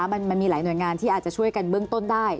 มันมีหลายหน่วยงานที่อาจจะช่วยกันเบื้องต้นได้